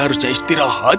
tapi sayang bukankah kau sehat